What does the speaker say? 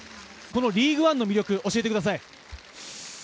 リーグワンの魅力を教えてください。